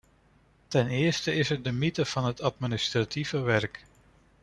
Ten eerste is er de mythe van het administratieve werk.